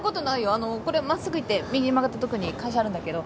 あのこれまっすぐ行って右に曲がったとこに会社あるんだけど。